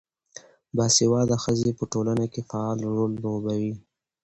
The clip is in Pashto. باسواده ښځې په ټولنه کې فعال رول لوبوي.